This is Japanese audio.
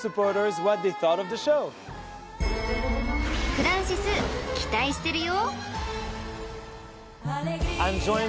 ［フランシス期待してるよ］